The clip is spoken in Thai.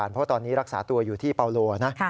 เพราะตอนนี้รักษาตัวอยู่ที่เปาโลนะ